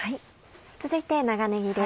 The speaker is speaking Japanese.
続いて長ねぎです。